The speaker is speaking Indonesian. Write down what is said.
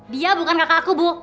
dia bukan kakak aku bu